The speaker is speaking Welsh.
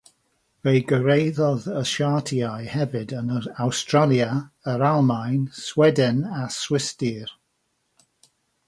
Fe gyrhaeddodd y siartiau hefyd yn Awstralia, yr Almaen, Sweden a'r Swistir.